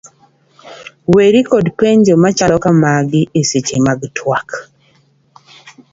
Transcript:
Weri kod penjo machalo ka magi e seche mag tuak: